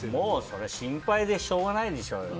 それは心配でしょうがないでしょうよ。